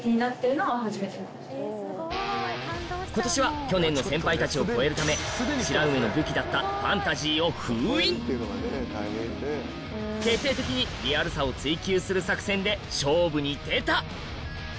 今年は去年の先輩たちを超えるため白梅の武器だった徹底的にリアルさを追求する作戦で勝負に出た！